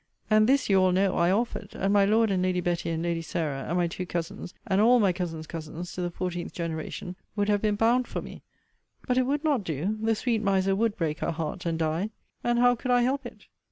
And this, you all know, I offered; and my Lord, and Lady Betty, and Lady Sarah, and my two cousins, and all my cousins' cousins, to the fourteenth generation, would have been bound for me But it would not do: the sweet miser would break her heart, and die: And how could I help it?